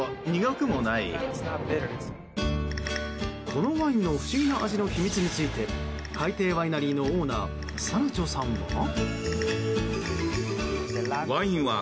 このワインの不思議な味の秘密について海底ワイナリーのオーナーサラチョさんは。